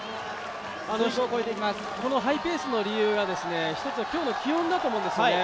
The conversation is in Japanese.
ハイペースの理由は、１つは今日の気温だと思うんですね。